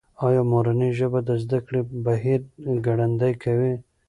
ایا مورنۍ ژبه د زده کړې بهیر ګړندی کوي؟